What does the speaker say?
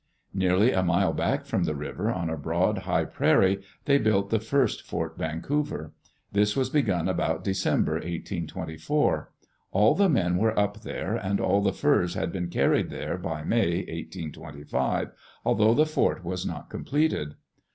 Nearly a mile back from the river, on a broad, high prairie, they built the first Fort Vancouver. This was begun about December, 1824. All the men were up there and all the furs had been carried there by May, 18251 although the fort was not completed.